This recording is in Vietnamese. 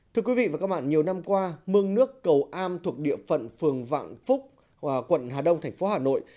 thưa quý vị và các bạn nhiều năm qua mương nước cầu am thuộc địa phận phường vạn phúc quận hà đông thành phố hà nội